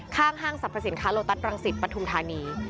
ข้างห้างสรรพสินค้าลูตัสภรรงสิตประถุมธานี